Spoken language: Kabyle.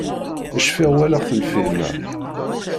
Cfiɣ walaɣ-t lfilm-a.